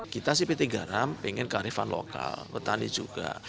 kita cpt garam ingin kearifan lokal petani juga